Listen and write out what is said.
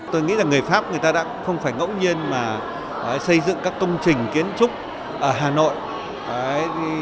tôi nghĩ là người pháp người ta đã không phải ngẫu nhiên mà xây dựng các công trình kiến trúc ở hà nội